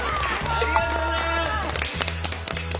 ありがとうございます！